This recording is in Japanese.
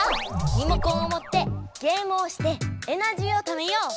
リモコンをもってゲームをしてエナジーをためよう！